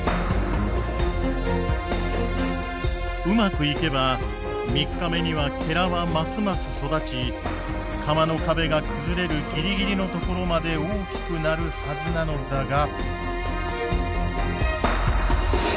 うまくいけば３日目にははますます育ち釜の壁が崩れるギリギリの所まで大きくなるはずなのだが。